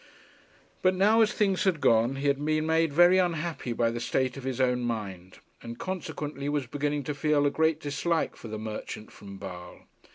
But now, as things had gone, he had been made very unhappy by the state of his own mind, and consequently was beginning to feel a great dislike for the merchant from Basle.